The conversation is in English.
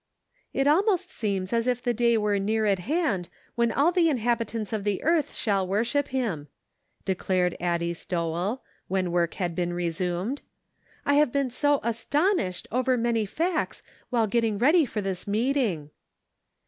" It almost seems as if the day were near at hand when all the inhabitants of the earth shall worship him," declared Addie Stowell, when work had been resumed ;" I have been so astonished over many facts while getting ready for this meeting."